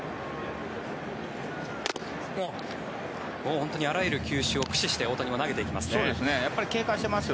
本当にあらゆる球種を駆使して大谷も投げていきますね。